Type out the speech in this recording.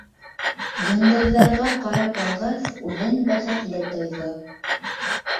Йондоҙҙарға ҡарап алғас, үҙен бәхетле тойҙо.